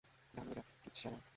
জাহান্নামে যা, কিচ্যানার!